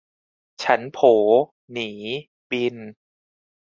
ฉันโผ หนี บิน